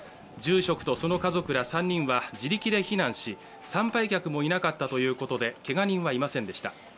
住職とその家族ら３人は自力で避難し、参拝客もいなかったということでけが人はいませんでした。